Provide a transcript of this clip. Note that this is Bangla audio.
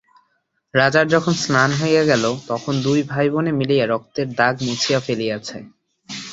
রাজার যখন স্নান হইয়া গেল, তখন দুই ভাইবোনে মিলিয়া রক্তের দাগ মুছিয়া ফেলিয়াছে।